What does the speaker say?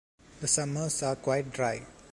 The summers are quite dry.